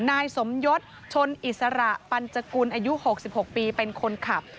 นายสมยศชนอิสระปัญจกุลอายุ๖๖ปีเป็นคนขับ